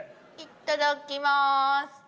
いっただきます。